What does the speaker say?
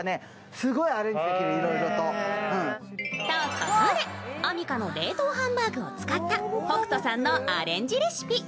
ここで、アミカの冷凍ハンバーグを使った北斗さんのアレンジレシピ。